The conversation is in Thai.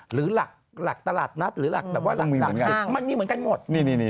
หรือหลักตลาดนัดหรือเหมือนกันหมด